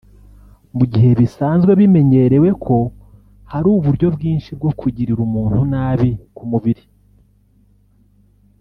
Mu gihe bisanzwe bimenyererwe ko hari uburyo bwinshi bwo kugirira umuntu nabi ku mubiri